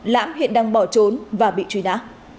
lãm hiện đang bỏ trốn và bị truy đá